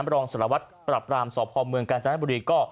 รองสารวัตรปรับรามสพเมืองกาญจนบุรีก็